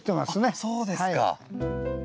あっそうですか。